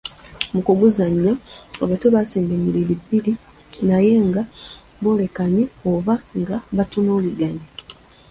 "Mu kuguzannya, abato basimba ennyiriri bbiri naye nga boolekanye oba nga batunuuliganye."